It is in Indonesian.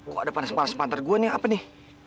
kok ada panas panas pantar gue nih apa nih